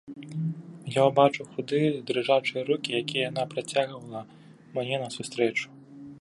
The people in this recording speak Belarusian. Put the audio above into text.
Я ўбачыў худыя дрыжачыя рукі, якія яна працягвала мне насустрэчу.